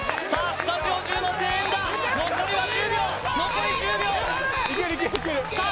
スタジオ中の声援だ残りは１０秒残り１０秒さあ